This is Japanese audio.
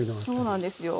そうなんですよ。